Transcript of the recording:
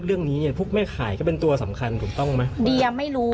เรื่องนี้เนี่ยพวกแม่ขายก็เป็นตัวสำคัญถูกต้องไหมเดียไม่รู้